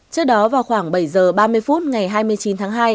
trước đó vào khoảng bảy giờ ba mươi phút ngày hai mươi chín tháng